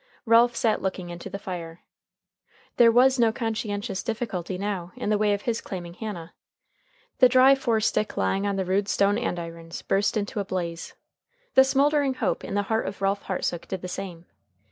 Ralph sat looking into the fire. There was no conscientious difficulty now in the way of his claiming Hannah. The dry forestick lying on the rude stone andirons burst into a blaze. The smoldering hope In the heart of Ralph Hartsook did the same.